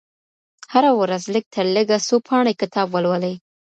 هره ورځ لږترلږه څو پاڼې کتاب ولولئ.